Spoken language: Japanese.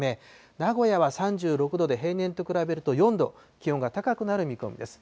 名古屋は３６度で平年と比べると４度気温が高くなる見込みです。